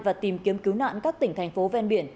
và tìm kiếm cứu nạn các tỉnh thành phố ven biển